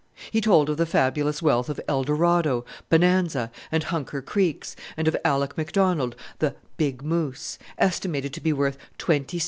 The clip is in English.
He told of the fabulous wealth of Eldorado, Bonanza, and Hunker Creeks, and of Alec McDonald, the "Big Moose," estimated to be worth $26,000,000.